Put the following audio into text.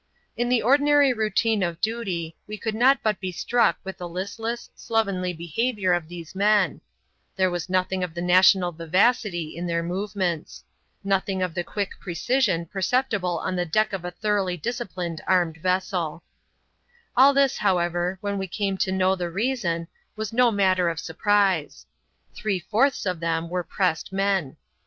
In the ordinary routine of duty, we could not but be struck with the HstlesS) slovenly behaviour of these men ; there was nothiug of the national vivacity in their movements ; nothing of the quick precision perceptible on the deck of a thoroughly disciplined armed vesseL All this, however, when we came to know the reason, was no matter of surprise ; three fourtlis of them were pressed men.